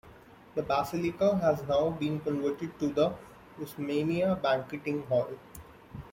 The basilica has now been converted to the Usmania Banqueting Hall.